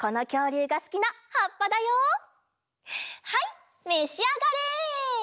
はいめしあがれ！